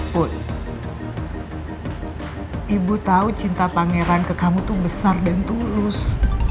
ibu tahu cinta pangeran ke kamu tuh besar dan tulus